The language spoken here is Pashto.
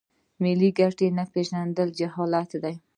ملي ګټې نه پیژندل جهالت دی.